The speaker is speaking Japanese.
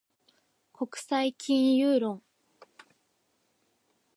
国際金融論